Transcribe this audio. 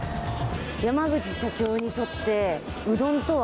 山口社長にとってうどんとは？